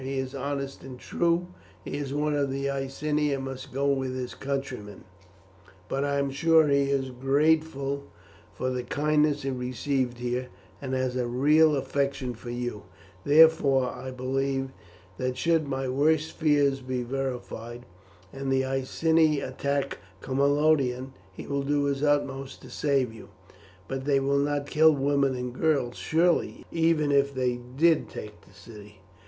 He is honest and true. He is one of the Iceni and must go with his countrymen; but I am sure he is grateful for the kindness he received here, and has a real affection for you, therefore I believe, that should my worst fears be verified, and the Iceni attack Camalodunum, he will do his utmost to save you." "But they will not kill women and girls surely, even if they did take the city?"